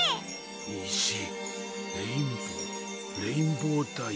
にじレインボーレインボーダイヤ。